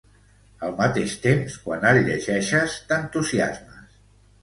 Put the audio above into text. Al mateix temps quan el llegeixes t'entusiasmes.